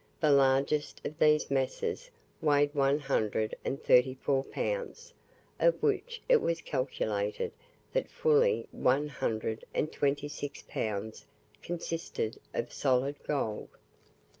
The largest of these masses weighed one hundred and thirty four pounds, of which it was calculated that fully one hundred and twenty six pounds consisted of solid gold!